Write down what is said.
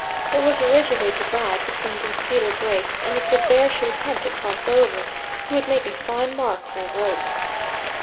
There was a ridge of a divide between these cedar brakes, and if the bear should attempt to cross over, he would make a fine mark for a rope.